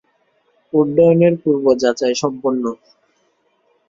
উড্ডয়নের পূর্ব-যাচাই সম্পন্ন।